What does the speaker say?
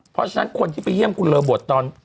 เพราะฉะนั้นคนที่ไปเยี่ยมคุณโรเบิร์ตตอน